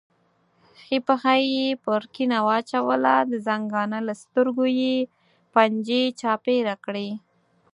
ښي پښه یې پر کیڼه واچوله، د زنګانه له سترګې یې پنجې چاپېره کړې.